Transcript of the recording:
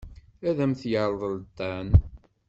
Ad am-t-yerḍel Dan.